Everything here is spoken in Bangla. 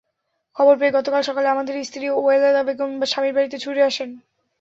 খবর পেয়ে গতকাল সকালে আবেদের স্ত্রী ওয়ালেদা বেগম স্বামীর বাড়িতে ছুটে আসেন।